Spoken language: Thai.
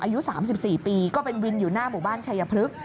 อายุ๓๔ปีก็เป็นวินอยู่หน้าหมู่บ้านชัยพฤกษ์